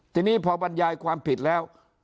ทีนี้พอบรรยายความผิดแล้ว